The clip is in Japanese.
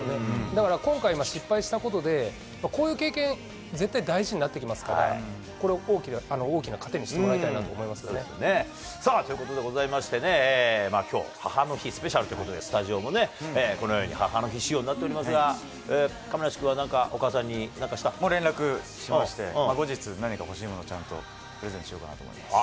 だから、今回、失敗したことで、こういう経験、絶対大事になってきますから、これを大きな糧にしさあ、ということでございましてね、きょう、母の日スペシャルということで、スタジオもね、このように母の日仕様になっていますが、亀梨君はなんか、もう連絡しまして、後日、欲しいもの、ちゃんとプレゼントしようかなと思います。